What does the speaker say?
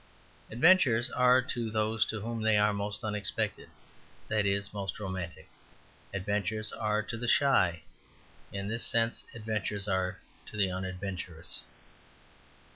Adventures are to those to whom they are most unexpected that is, most romantic. Adventures are to the shy: in this sense adventures are to the unadventurous.